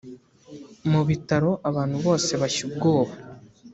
Mu bitaro abantu bose bashya ubwoba